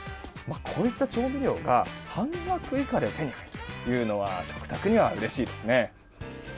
こういった調味料が半額以下で手に入るのは食卓にはうれしいですね。